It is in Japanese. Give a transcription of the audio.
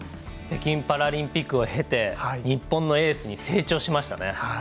北京パラリンピックを経て日本のエースに成長しましたね。